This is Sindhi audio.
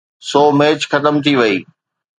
سو ميچ ختم ٿي وئي.